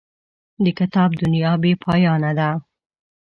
د کتاب دنیا بې پایانه ده.